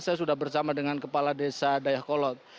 saya sudah bersama dengan kepala desa dayuh kolot